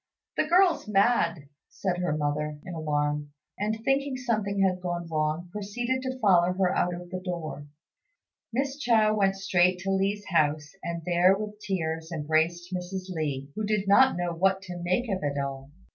"The girl's mad," said her mother, in alarm; and, thinking something had gone wrong, proceeded to follow her out of the door. Miss Chao went straight to Li's house, and there with tears embraced Mrs. Li, who did not know what to make of it all.